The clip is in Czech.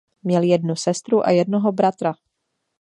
Měl jednu sestru a jednoho bratra.